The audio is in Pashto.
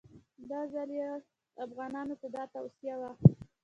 دا ځل یې افغانانو ته دا توصیه وه.